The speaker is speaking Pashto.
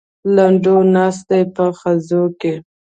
لنډو ناست دی په خزو کې.